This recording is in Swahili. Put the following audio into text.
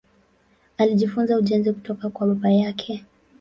Alijifunza ujenzi kutoka kwa baba yake.